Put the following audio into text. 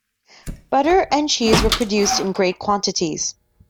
Butter and cheese were produced in great quantities.